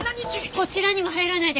こちらには入らないでください。